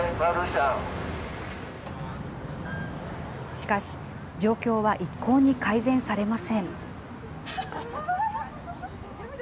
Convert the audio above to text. しかし、状況は一向に改善されません。